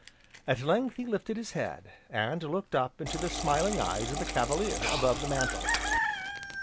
At length he lifted his head, and looked up into the smiling eyes of the Cavalier, above the mantel.